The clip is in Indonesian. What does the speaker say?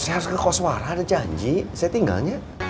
saya harus ke koswara ada janji saya tinggalnya